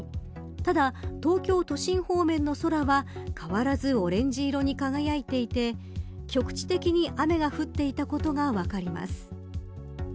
ただ、東京都心方面の空は変わらずオレンジ色に輝いていて局地的に雨が降っていたことが分かります。